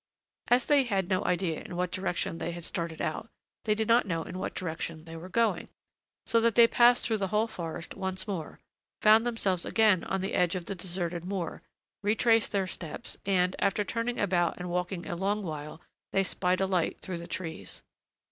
As they had no idea in what direction they had started out, they did not know in what direction they were going; so that they passed through the whole forest once more, found themselves again on the edge of the deserted moor, retraced their steps, and, after turning about and walking a long while, they spied a light through the trees.